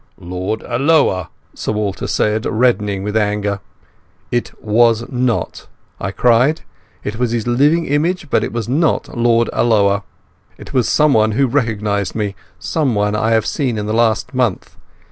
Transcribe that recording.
"Lord Alloa," Sir Walter said, reddening with anger. "It was not," I cried; "it was his living image, but it was not Lord Alloa. It was someone who recognized me, someone I have seen in the last month.